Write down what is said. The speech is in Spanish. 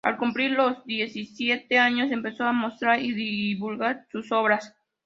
Al cumplir los diecisiete años, empezó a mostrar y divulgar sus obras.